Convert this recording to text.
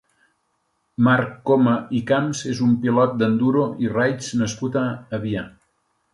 Marc Coma i Camps és un pilot d'enduro i raids nascut a Avià.